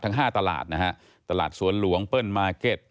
ห้าตลาดนะฮะตลาดสวนหลวงเปิ้ลมาร์เก็ต